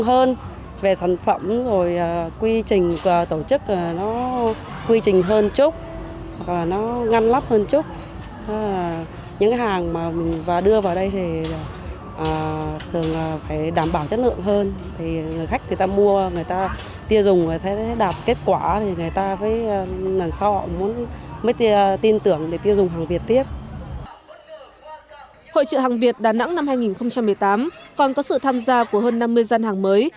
hội trợ hàng việt đà nẵng năm hai nghìn một mươi tám còn có sự tham gia của hơn năm mươi gian hàng mới